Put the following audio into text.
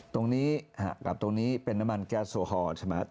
ตรงนี้กับตรงนี้เป็นน้ำมันแก๊สโซฮอลใช่ไหม